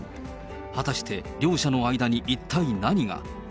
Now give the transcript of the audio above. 果たして両者の間に一体何が。